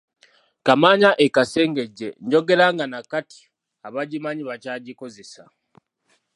Kaamaanya e Kasengejje njogera nga nakati abagimanyi bakyagikozesa.